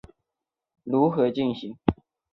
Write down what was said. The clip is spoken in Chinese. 玩家的反应会决定游戏如何进行。